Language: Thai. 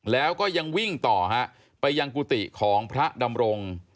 แล้วก็ยังวิ่งต่อฮะไปยังกุฏิของพระดำรง